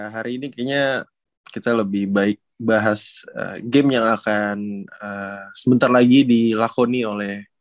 hari ini kayaknya kita lebih baik bahas game yang akan sebentar lagi dilakoni oleh